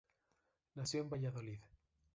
Nació en Valladolid.